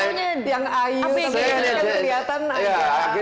dia punya yang ayu yang kelihatan aja